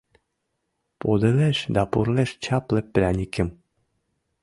Подылеш да пурлеш чапле пряникым;